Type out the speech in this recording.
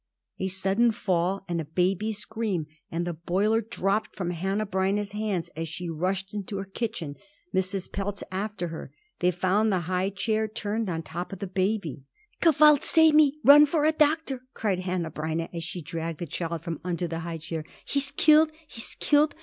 A sudden fall and a baby's scream, and the boiler dropped from Hanneh Breineh's hands as she rushed into her kitchen, Mrs. Pelz after her. They found the high chair turned on top of the baby. "Gevalt! Save me! Run for a doctor!" cried Hanneh Breineh as she dragged the child from under the high chair. "He's killed! He's killed!